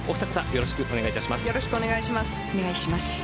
よろしくお願いします。